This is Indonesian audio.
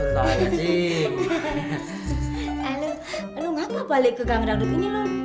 lu kenapa balik ke gang darud ini lul